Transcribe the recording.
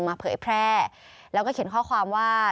เผยแพร่แล้วก็เขียนข้อความว่า